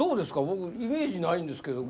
僕イメージないんですけど。